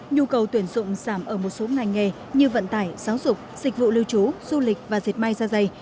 nhu cầu tuyển dụng giảm ở một số ngành nghề như vận tải giáo dục dịch vụ lưu trú du lịch và diệt may ra dày